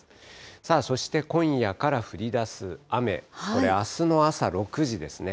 そして今夜から降りだす雨、これ、あすの朝６時ですね。